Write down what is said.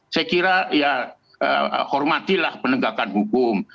saya kira ya hormatilah penegakan hukum